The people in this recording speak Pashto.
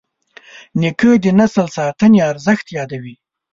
نیکه د نسل ساتنې ارزښت یادوي.